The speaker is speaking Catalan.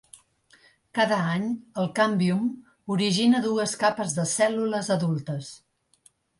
Cada any el càmbium origina dues capes de cèl·lules adultes.